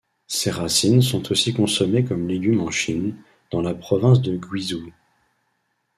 Ses racines sont aussi consommées comme légume en Chine, dans la province de Guizhou.